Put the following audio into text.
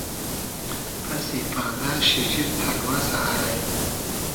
پئسی پئردۂ شیجیر تئلوئسۂ الݷ